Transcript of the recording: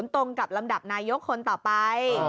ตรงกับลำดับนายกคนต่อไป